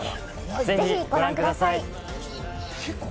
ぜひご覧ください。